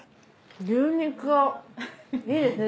牛肉がいいですね